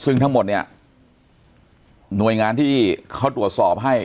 ซึ่งทั้งหมดเนี่ยหน่วยงานที่เขาตรวจสอบให้